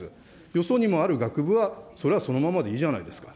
よそにもある学部は、それはそのままでいいじゃないですか。